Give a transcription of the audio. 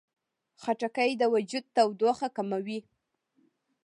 خټکی د وجود تودوخه کموي.